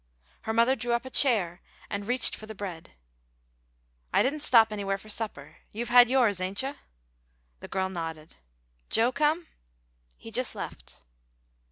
Her mother drew up a chair and reached for the bread. "I didn't stop anywhere for supper. You've had yours, 'ain't you?" The girl nodded. "Joe come?" "He just left."